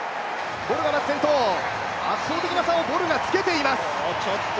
ボルが先頭、圧倒的な差をつけています。